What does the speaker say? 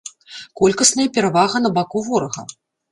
Колькасная перавага на баку ворага.